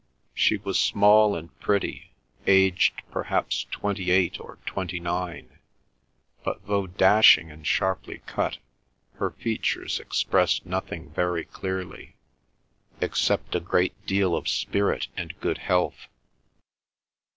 She was small and pretty, aged perhaps twenty eight or twenty nine, but though dashing and sharply cut, her features expressed nothing very clearly, except a great deal of spirit and good health.